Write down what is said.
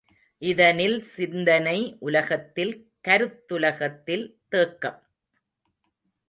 இதனில் சிந்தனை உலகத்தில் கருத்துலகத்தில் தேக்கம்!